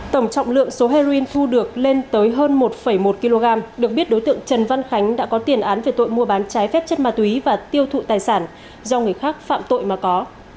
tổng trọng lượng số heroin thu được lên tới hơn một một kg được biết đối tượng trần văn khánh đã có tiền án về tội mua bán trái phép chất ma túy và tiêu thụ tài sản do người khác phạm tội mà có